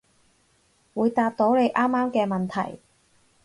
會答到你啱啱嘅問題